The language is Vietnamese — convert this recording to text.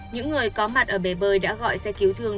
những người có mặt ở bể bơi đã gọi xe cứu thương